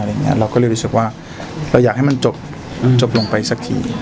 เราก็เลยรู้สึกว่าเราอยากให้มันจบจบลงไปสักที